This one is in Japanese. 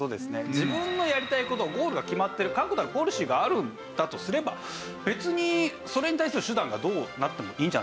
自分のやりたい事ゴールが決まってる確固たるポリシーがあるのだとすれば別にそれに対する手段がどうなってもいいんじゃないかと。